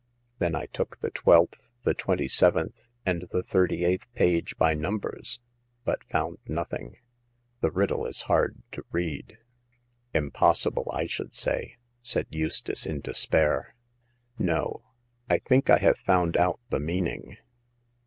Then I took the twelfth, the twenty seventh, and the thirty eighth page by numbers, but found nothing. The riddle is hard to read." 54 Hagar of the Pawn Shop. Impossible, I should say," said Eustace, in despair. " No ; I think I have found out the meaning."